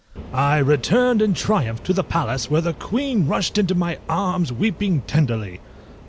I returned in triumph to the palace, where the Queen rushed into my arms, weeping tenderly.